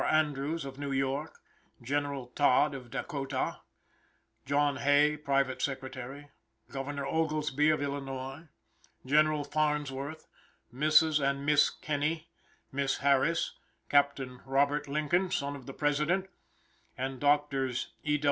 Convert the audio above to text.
Andrews, of New York, General Todd, of Dacotah, John Hay, private secretary, Governor Oglesby, of Illinois, General Farnsworth, Mrs. and Miss Kenny, Miss Harris, Captain Robert Lincoln, son of the President, and Drs. E.